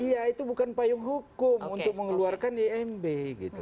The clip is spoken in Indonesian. iya itu bukan payung hukum untuk mengeluarkan imb gitu